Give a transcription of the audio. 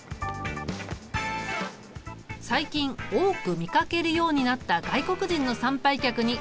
最近多く見かけるようになった外国人の参拝客に話を聞いてみた。